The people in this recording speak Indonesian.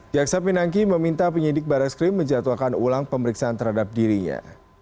jaksa pinangki meminta penyidik barai skrim menjatuhkan ulang pemeriksaan terhadap dirinya